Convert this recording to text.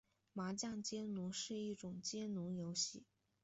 麻将接龙是一种接龙游戏。